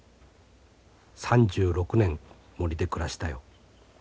３６年森で暮らしたよ。